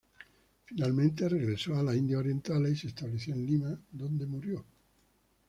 Finalmente, regresó a las Indias Occidentales y se estableció en Lima, donde murió.